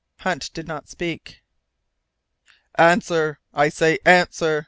Hunt did not speak. "Answer, I say answer!"